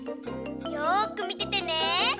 よくみててね。